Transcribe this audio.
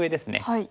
はい。